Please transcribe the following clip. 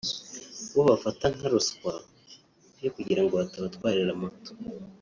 bo bafata nka ruswa yo kugira ngo batabatwarira moto